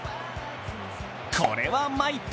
これはまいった。